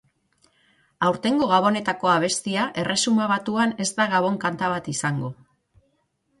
Aurtengo Gabonetako abestia Erresuma Batuan ez da gabon-kanta bat izango.